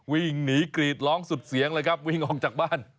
วิ่งหนีกรีดร้องสุดเสียงเลยครับวิ่งออกจากบ้าน